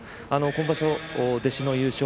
今場所、弟子の優勝